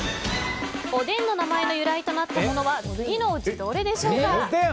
おでんの名前の由来となったものは次のうちどれでしょうか。